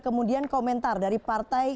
kemudian komentar dari partai